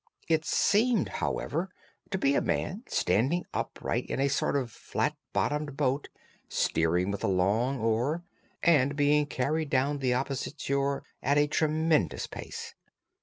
It seemed, however, to be a man standing upright in a sort of flat bottomed boat, steering with a long oar, and being carried down the opposite shore at a tremendous pace.